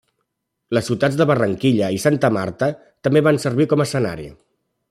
Les ciutats de Barranquilla i Santa Marta també van servir com a escenari.